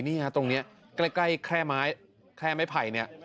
นี่ตรงนี้ใกล้แค่ไม้ไผ่